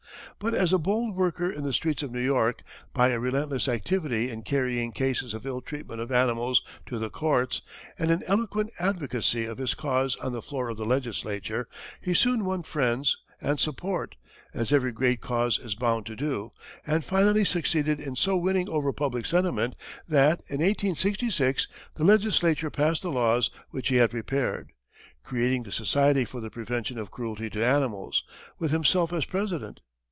But as a bold worker in the streets of New York, by a relentless activity in carrying cases of ill treatment of animals to the courts, and an eloquent advocacy of his cause on the floor of the legislature, he soon won friends and support, as every great cause is bound to do, and finally succeeded in so winning over public sentiment that, in 1866, the legislature passed the laws which he had prepared, creating the Society for the Prevention of Cruelty to Animals, with himself as president.